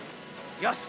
よし！